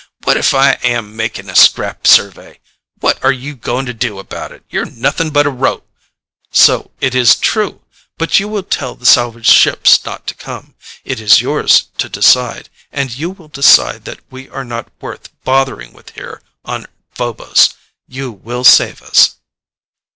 What if I am making a scrap survey? What are you going to do about it. You're nothing but a ro " "So it is true! But you will tell the salvage ships not to come. It is yours to decide, and you will decide that we are not worth bothering with here on Phobos. You will save us."